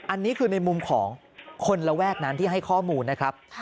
อันนี้คือในมุมของคนระแวกนั้นที่ให้ข้อมูลนะครับ